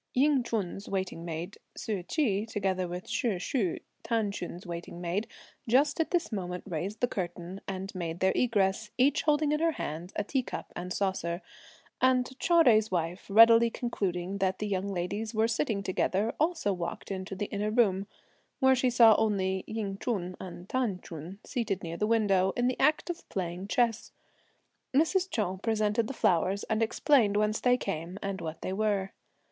Ying Ch'un's waiting maid, Ssu Chi, together with Shih Shu, T'an Ch'un's waiting maid, just at this moment raised the curtain, and made their egress, each holding in her hand a tea cup and saucer; and Chou Jui's wife readily concluding that the young ladies were sitting together also walked into the inner room, where she only saw Ying Ch'un and T'an Ch'un seated near the window, in the act of playing chess. Mrs. Chou presented the flowers and explained whence they came, and what they were.